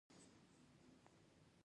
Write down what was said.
د دوی مور په څارویو لا مهربانه وي.